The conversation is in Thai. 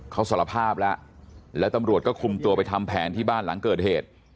เขาสารภาพแล้วแล้วตำรวจก็คุมตัวไปทำแผนที่บ้านหลังเกิดเหตุ